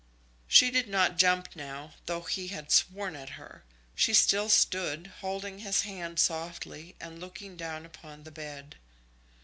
She did not jump now, though he had sworn at her. She still stood, holding his hand softly, and looking down upon the bed.